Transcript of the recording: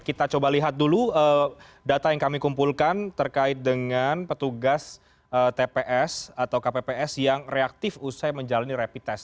kita coba lihat dulu data yang kami kumpulkan terkait dengan petugas tps atau kpps yang reaktif usai menjalani rapid test